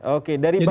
oke dari bang